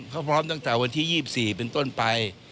เค้าพร้อมตั้งแต่วันที่๒๔ตอนไป